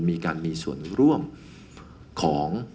มีการมีส่วนร่วมของ